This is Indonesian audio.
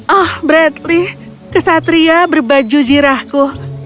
oh bradley kesatria berbaju zirahku